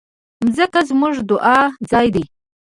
مځکه زموږ د دعا ځای ده.